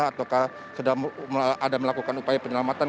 ataukah sedang ada melakukan upaya penyelamatan